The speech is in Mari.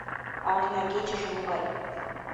А арнягечыже могай?